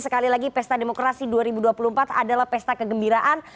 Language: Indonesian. sekali lagi pesta demokrasi dua ribu dua puluh empat adalah pesta kegembiraan